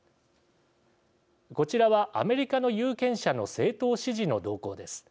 こちらは、アメリカの有権者の政党支持の動向です。